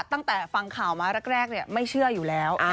ตั้งแต่ฟังข่าวมาแรกไม่เชื่ออยู่แล้ว